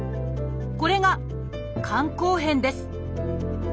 これが「肝硬変」です。